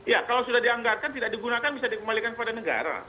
ya kalau sudah dianggarkan tidak digunakan bisa dikembalikan kepada negara